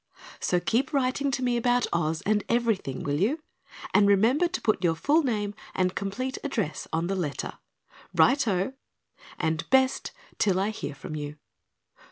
So keep writing to me about Oz and everything, will you? And remember to put your full name and complete address on the letter. Righto! And Best till I hear from you!